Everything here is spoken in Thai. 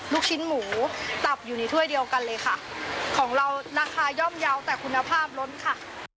ลูกชิ้นหมูตับอยู่ในถ้วยเดียวกันเลยค่ะของเราราคาย่อมเยาว์แต่คุณภาพล้นค่ะ